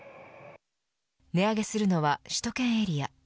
値上げするのは首都圏エリア。